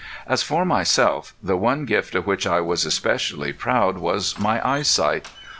As for myself, the one gift of which I was especially proud was my eyesight.